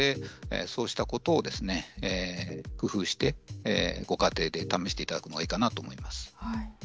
そうしたことを工夫してご家庭で試していただくのがいいかなと思います。